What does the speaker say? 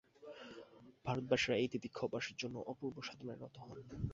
ভারতবাসীরা এই তিতিক্ষা অভ্যাসের জন্য অপূর্ব সাধনায় রত হন।